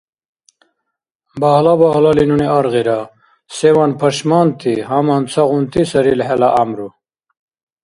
Багьла-багьлали нуни аргъира, севан пашманти, гьаман цагъунти саррил хӀела гӀямру.